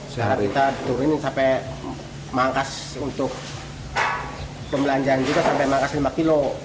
sekarang kita turunin sampai mangas untuk pembelanjangan juga sampai mangas lima kilo